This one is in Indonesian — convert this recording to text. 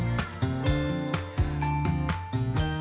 kampung dongeng indonesia